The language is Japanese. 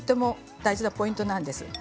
これも大事なポイントなんです。